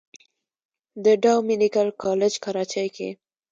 د ډاؤ ميديکل کالج کراچۍ کښې